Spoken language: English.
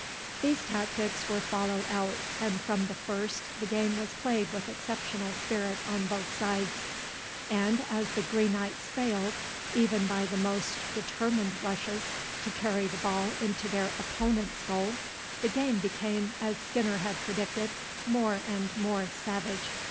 These tactics were followed out, and from the first the game was played with exceptional spirit on both sides; and as the Greenites failed, even by the most determined rushes, to carry the ball into their opponents' goal, the game became, as Skinner had predicted, more and more savage.